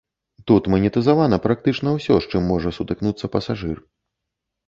Тут манетызавана практычна ўсё, з чым можа сутыкнуцца пасажыр.